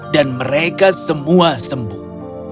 dan mereka semua sembuh